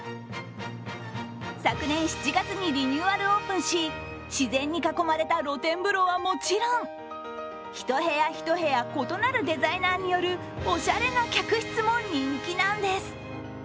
昨年７月にリニューアルオープンし、自然に囲まれた露天風呂はもちろん、一部屋、一部屋、異なるデザイナーによるおしゃれな客室も人気なんです。